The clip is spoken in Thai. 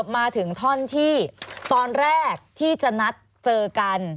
มาถึงท่อนที่ตอนแรกที่จะนัดเจอกัน